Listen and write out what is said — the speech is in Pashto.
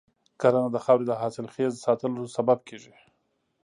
کرنه د خاورې د حاصلخیز ساتلو سبب کېږي.